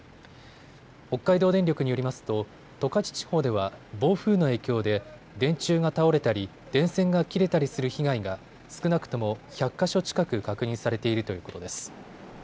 北海道電力によりますと十勝地方では暴風の影響で電柱が倒れたり電線が切れたりする被害が少なくとも１００か所近く確認されているということです。